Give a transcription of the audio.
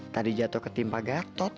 tadi jatuh ketimpa gatot